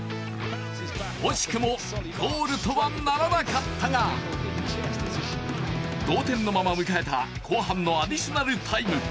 惜しくもゴールとはならなかったが同点のまま迎えた後半のアディショナルタイム。